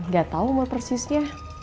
gak tau umur persisnya